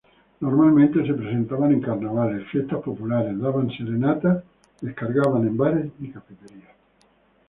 Normalmente se presentaban en carnavales, fiestas populares, daban serenatas, descargaban en bares y cafeterías.